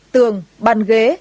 tường bàn ghế